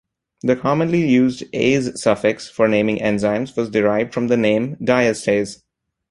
The commonly used -ase suffix for naming enzymes was derived from the name diastase.